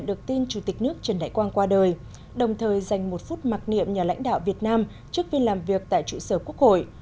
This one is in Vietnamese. được tin chủ tịch nước trần đại quang qua đời đồng thời dành một phút mặc niệm nhà lãnh đạo việt nam trước viên làm việc tại trụ sở quốc hội